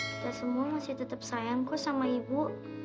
kita semua masih tetap sayangkus sama ibu